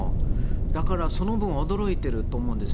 だから、その分驚いてると思うんです。